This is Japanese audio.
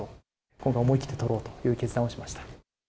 今回、思い切ってとろうという決断をしました。